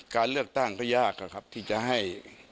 การเลือกตั้งก็ยากอะครับที่จะให้